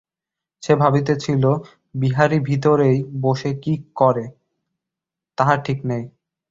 সে ভাবিতেছিল, বিহারী ভিতরেই বসে কি কী করে, তাহার ঠিক নাই।